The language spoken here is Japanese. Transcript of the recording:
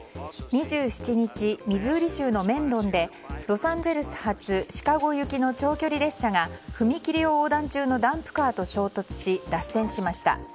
２７日、ミズーリ州のメンドンでロサンゼルス発シカゴ行の長距離列車が踏切を横断中のダンプカーと衝突し脱線しました。